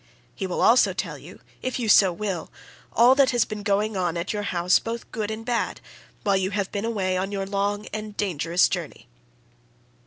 He will also tell you, if you so will, all that has been going on at your house both good and bad, while you have been away on your long and dangerous journey.